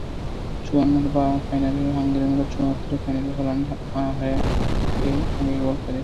চুয়ান্নর ফাইনালের হাঙ্গেরির মতো চুয়াত্তরের ফাইনালেও হল্যান্ড হারে আগে গোল করে।